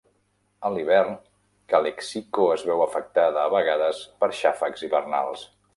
A l'hivern, Calexico es veu afectada a vegades per xàfecs hivernals.